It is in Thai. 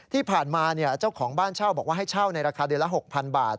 ที่ผ่านมาเจ้าของบ้านเช่าบอกว่าให้เช่าในราคาเดือนละ๖๐๐๐บาท